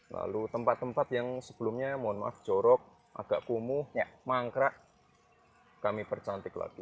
lalu tempat tempat yang sebelumnya mohon maaf jorok agak kumuh mangkrak kami percantik lagi